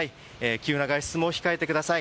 急な外出も控えてください。